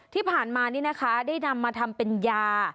ที่ผ่านมานี่นะคะได้นำมาทำเป็นยา